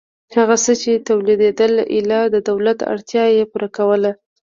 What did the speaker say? هغه څه چې تولیدېدل ایله د دولت اړتیا یې پوره کوله.